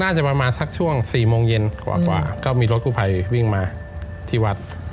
ประมาณสักช่วง๔โมงเย็นกว่าก็มีรถกู้ภัยวิ่งมาที่วัด